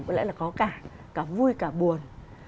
có lẽ là có cả cả vui cả buồn